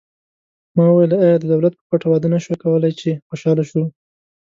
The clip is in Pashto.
ما وویل: آیا د دولت په پټه واده نه شو کولای، چې خوشحاله شو؟